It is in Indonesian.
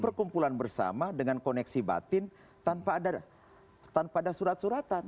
perkumpulan bersama dengan koneksi batin tanpa ada surat suratan